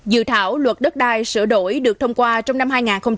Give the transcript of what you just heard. dự thảo luật đất đai sửa đổi được thông qua trong năm hai nghìn hai mươi ba